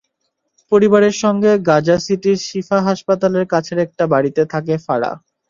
পরিবারের সঙ্গে গাজা সিটির শিফা হাসপাতালের কাছের একটা বাড়িতে থাকে ফারাহ।